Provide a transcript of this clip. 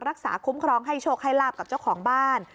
รักษาคุ้มครองให้โชคให้ลาบกับเจ้าของบ้าน